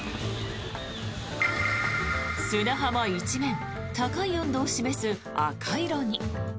砂浜一面高い温度を示す赤色に。